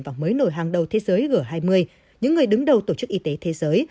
và mới nổi hàng đầu thế giới g hai mươi những người đứng đầu tổ chức y tế thế giới